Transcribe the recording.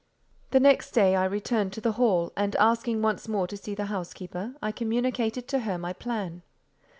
The next day I returned to the hall, and asking once more to see the housekeeper, I communicated to her my plan.